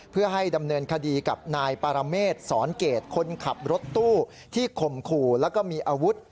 เพื่อให้ดำเนินคดีกับนายปารเมษสอนเกตคนขับรถตู้ที่ข่มขู่แล้วก็มีอาวุธ